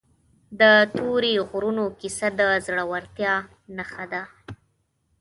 د تورې غرونو کیسه د زړورتیا نښه ده.